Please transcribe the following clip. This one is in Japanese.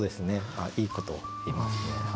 あっいいことを言いますね。